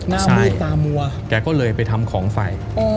หน้ามืดตามัวแกก็เลยไปทำของใส่